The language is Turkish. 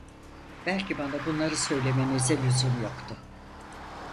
Belki bana bunları söylemenize lüzum yoktu.